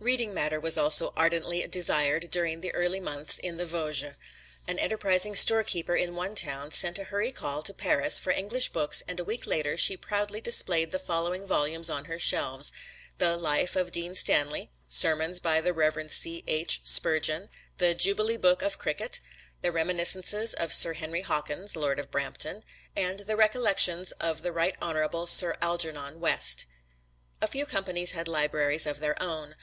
Reading matter was also ardently desired during the early months in the Vosges. An enterprising storekeeper in one town sent a hurry call to Paris for English books and a week later she proudly displayed the following volumes on her shelves: "The Life of Dean Stanley," "Sermons by the Rev. C. H. Spurgeon," "The Jubilee Book of Cricket," "The Reminiscences of Sir Henry Hawkins (Lord of Brampton)," and "The Recollections of the Rt. Hon. Sir Algernon West." A few companies had libraries of their own.